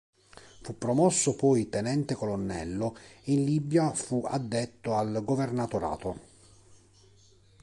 Fu promosso poi tenente colonnello e in Libia fu addetto al Governatorato.